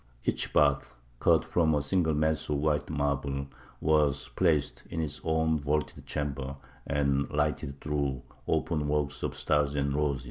Each bath, cut from a single mass of white marble, was placed in its own vaulted chamber, and lighted through openwork of stars and roses.